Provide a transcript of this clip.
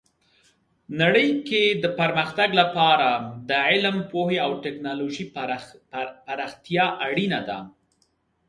نړۍ کې د پرمختګ لپاره د علم، پوهې او ټیکنالوژۍ پراختیا اړینه ده.